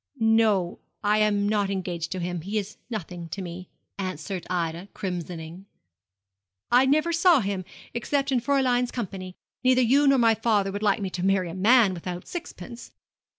'No, I am not engaged to him he is nothing to me,' answered Ida, crimsoning; 'I never saw him, except in Fräulein's company. Neither you nor my father would like me to marry a man without sixpence.'